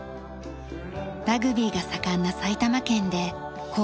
ラグビーが盛んな埼玉県で高校時代に熱中。